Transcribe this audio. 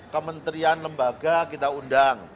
kementerian lembaga kita undang